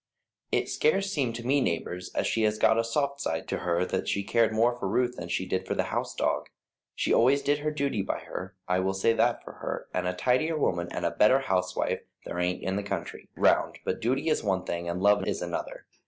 "It scarce seemed to me, neighbours, as she had got a soft side to her or that she cared more for Ruth than she did for the house dog. She always did her duty by her, I will say that for her; and a tidier woman and a better housewife there ain't in the country round. But duty is one thing and love is another.